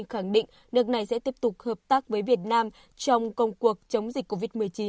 khẳng định nước này sẽ tiếp tục hợp tác với việt nam trong công cuộc chống dịch covid một mươi chín